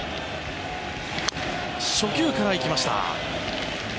初球から行きました。